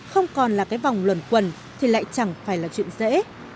không còn là cái vòng luần quần thì lại chẳng phải là chuyện dễ